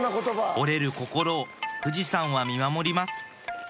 折れる心を富士山は見守ります